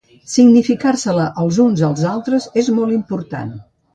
Significar-se-la els uns als altres és molt important.